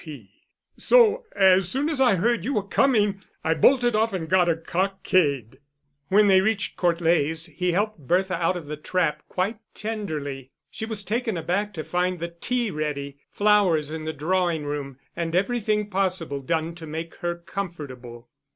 P. So, as soon as I heard you were coming, I bolted off and got a cockade." When they reached Court Leys, he helped Bertha out of the trap quite tenderly. She was taken aback to find the tea ready, flowers in the drawing room, and everything possible done to make her comfortable.